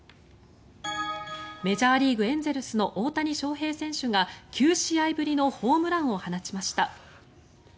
メジャーリーグエンゼルスの大谷翔平選手が９試合ぶりのホームランを放ちました。